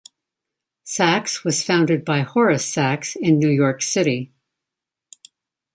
Saks was founded by Horace Saks in New York City.